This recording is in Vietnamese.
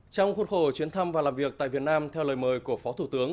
trong khuôn khổ chuyến thăm và làm việc tại việt nam theo lời mời của phó thủ tướng